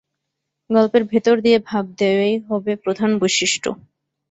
গল্পের ভেতর দিয়ে ভাব দেওয়াই হবে প্রধান বৈশিষ্ট্য।